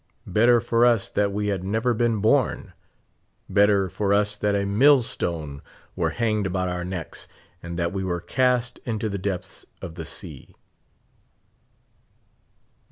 Better for us that we had never been born ; better for us that a mill stone were hanged about our necks, and that we were cast into the depths of the sea.